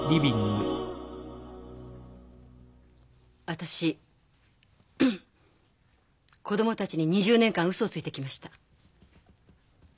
私子供たちに２０年間ウソをついてきました。